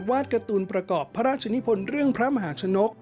วาดการ์ตูนประกอบพระราชนิพลเรื่องพระมหาชนก